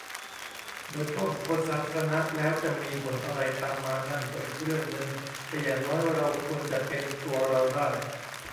โดยเฉพาะบุคคลสาธารณะ แล้วจะมีผลอะไรตามมานั่นก็อีกเรื่องนึง แต่อย่างน้อยเราควรจะเป็นตัวเราได้